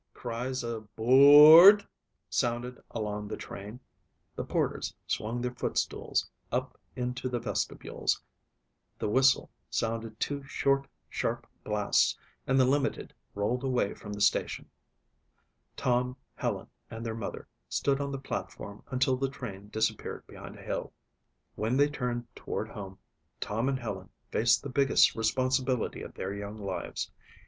Cries of "boooo ard," sounded along the train. The porters swung their footstools up into the vestibules, the whistle sounded two short, sharp blasts, and the limited rolled away from the station. Tom, Helen and their mother stood on the platform until the train disappeared behind a hill. When they turned toward home, Tom and Helen faced the biggest responsibility of their young lives.